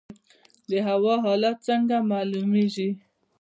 د هوا حالات څنګه معلومیږي؟